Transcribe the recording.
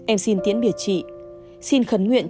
em xin tiễn biệt chị xin khấn nguyện